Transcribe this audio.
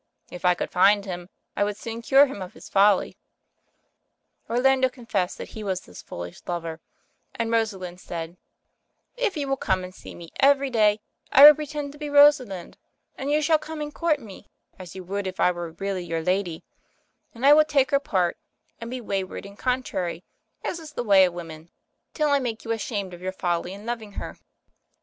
If I could find him, I would soon cure him of his folly." Orlando confessed that he was this foolish lover, and Rosalind said — "If you will come and see me every day, I will pretend to be Rosalind, and you shall come and court me, as you would if I were really your lady; and I will take her part, and be wayward and contrary, as is the way of women, till I make you ashamed of your folly in loving her."